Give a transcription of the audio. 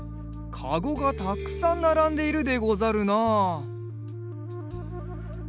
かごがたくさんならんでいるでござるな。